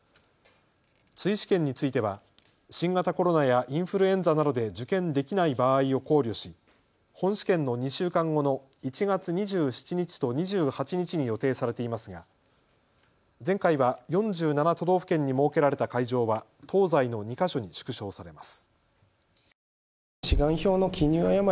追試験については新型コロナやインフルエンザなどで受験できない場合を考慮し本試験の２週間後の１月２７日と２８日に予定されていますが前回は４７都道府県に設けられた会場は東西の２か所に縮小されます。